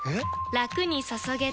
ラクに注げてペコ！